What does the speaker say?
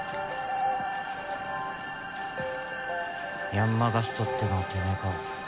ヤンマ・ガストってのはてめえか？